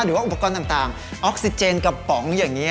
หรือว่าอุปกรณ์ต่างออกซิเจนกระป๋องอย่างนี้